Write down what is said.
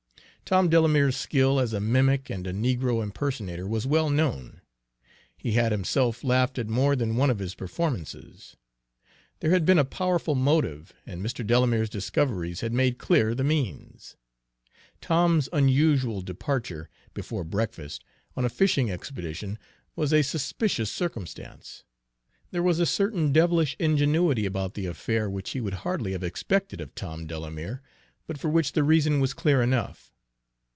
Tom Delamere's skill as a mimic and a negro impersonator was well known; he had himself laughed at more than one of his performances. There had been a powerful motive, and Mr. Delamere's discoveries had made clear the means. Tom's unusual departure, before breakfast, on a fishing expedition was a suspicious circumstance. There was a certain devilish ingenuity about the affair which he would hardly have expected of Tom Delamere, but for which the reason was clear enough.